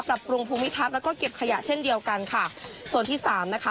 ปรุงภูมิทัศน์แล้วก็เก็บขยะเช่นเดียวกันค่ะส่วนที่สามนะคะ